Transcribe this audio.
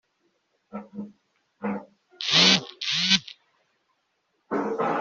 Imikino ya nyuma izatangira kuwa kabiri ubwo Miami izaba yerekeje ku kibuga cya Oklahoma mu mukino wa mbere